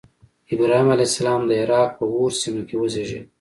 ابراهیم علیه السلام د عراق په أور سیمه کې وزیږېد.